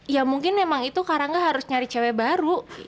ya mungkin memang itu karangga harus nyari cewe baru